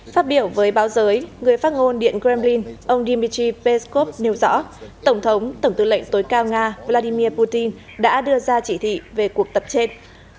phát biểu với báo giới người phát ngôn điện kremlin ông dmitry peskov nêu rõ tổng thống tổng tư lệnh tối cao nga vladimir putin đã đưa ra chỉ thị về cuộc tập trên